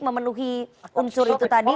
memenuhi unsur itu tadi